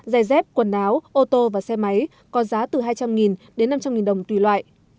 giày dép quần áo ô tô và xe máy có giá từ hai trăm linh đến năm trăm linh đồng tùy loại